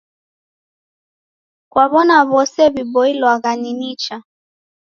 Kaw'ona w'ose w'iboilwagha ni nicha.